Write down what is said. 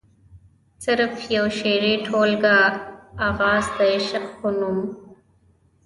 صرف يوه شعري ټولګه “اغاز َد عشق” پۀ نوم